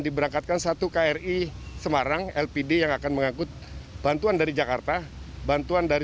diberangkatkan satu kri semarang lpd yang akan mengangkut bantuan dari jakarta bantuan dari